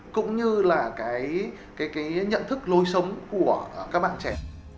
cũng như là cái nhận thức lối sống của các bạn trẻ